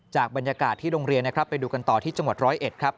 จากบรรยากาศที่โรงเรียนไปดูกันต่อที่จังหวัด๑๐๑